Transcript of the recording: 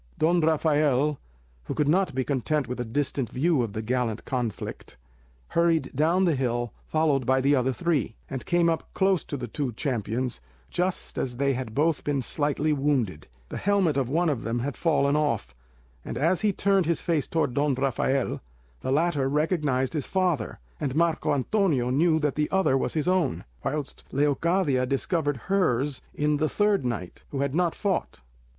Don Rafael, who could not be content with a distant view of the gallant conflict, hurried down the hill, followed by the other three, and came up close to the two champions just as they had both been slightly wounded. The helmet of one of them had fallen off, and as he turned his face towards Don Rafael, the latter recognised his father, and Marco Antonio knew that the other was his own, whilst Leocadia discovered hers in the third knight who had not fought.